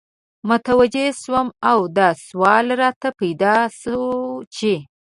متوجه سوم او دا سوال راته پیدا سو چی